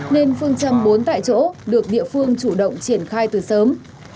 nên phương châm bốn tại chỗ được địa phương chủ động triển khai từ sớm